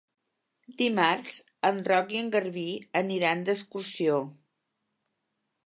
Dimarts en Roc i en Garbí aniran d'excursió.